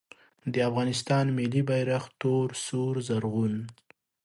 د افغانستان ملي بیرغ تور سور زرغون